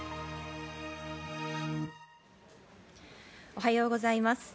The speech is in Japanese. おはようございます。